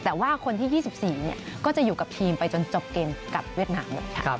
แต่ว่าคนที่๒๔ก็จะอยู่กับทีมไปจนจบเกมกับเวียดนามเลยค่ะ